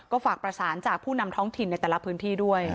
ก็ฝากประสานจากผู้นำท้องถิ่นในแต่ละพื้นที่ด้วย